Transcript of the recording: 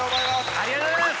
ありがとうございます！